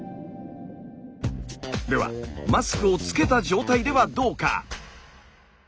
ではマスクをつけた状態ではどうか？